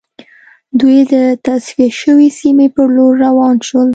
دوی د تصفیه شوې سیمې په لور روان شول